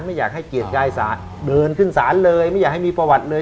ไม่อยากให้เกียรติกายศาลเดินขึ้นศาลเลยไม่อยากให้มีประวัติเลย